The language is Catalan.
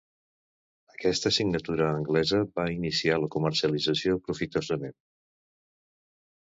Aquesta signatura anglesa va iniciar la comercialització profitosament.